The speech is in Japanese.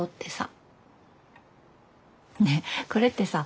ねっこれってさ